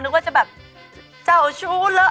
นึกว่าจะแบบเจ้าชู้เลอะ